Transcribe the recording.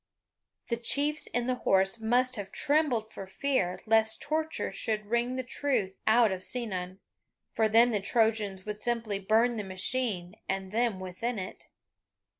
The chiefs in the horse must have trembled for fear lest torture should wring the truth out of Sinon, for then the Trojans would simply burn the machine and them within it.